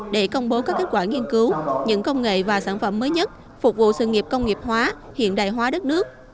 để công bố các kết quả nghiên cứu những công nghệ và sản phẩm mới nhất phục vụ sự nghiệp công nghiệp hóa hiện đại hóa đất nước